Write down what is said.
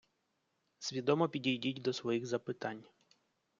Свідомо підійдіть до своїх запитань.